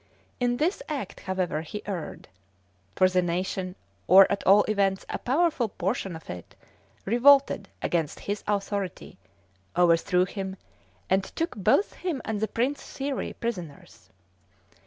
In this act, however, he erred; for the nation, or at all events a powerful portion of it, revolted against his authority, overthrew him, and took both him and the prince Thierry prisoners.